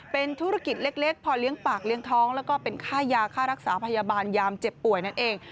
เป็นธุรกิจเล็กพอเลี้ยงปากเลี้ยงท้องแล้วก็เป็นค่ายาค่ารักษาพยาบาลยามเจ็บป่วยนั่นเอง